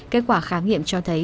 kết quả khám nghiệm cho thấy